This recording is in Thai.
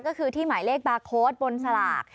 ก็คือที่หมายเลขบาร์โค้ดบนสลาก